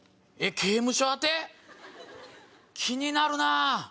刑務所宛て⁉気になるなぁ。